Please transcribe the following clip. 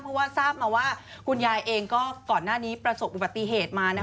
เพราะว่าทราบมาว่าคุณยายเองก็ก่อนหน้านี้ประสบอุบัติเหตุมา